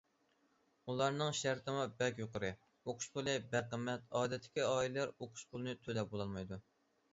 ئۇلارنىڭ شەرتىمۇ بەك يۇقىرى، ئوقۇش پۇلى بەك قىممەت، ئادەتتىكى ئائىلىلەر ئوقۇش پۇلىنى تۆلەپ بولالمايدۇ.